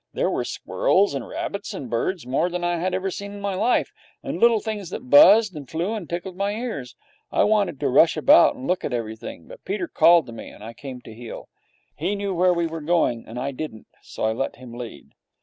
There were squirrels and rabbits and birds, more than I had ever seen in my life, and little things that buzzed and flew and tickled my ears. I wanted to rush about and look at everything, but Peter called to me, and I came to heel. He knew where we were going, and I didn't, so I let him lead.